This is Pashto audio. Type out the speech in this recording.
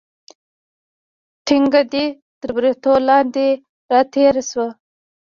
ټنګه دې تر بریتو لاندې راتېره شوه.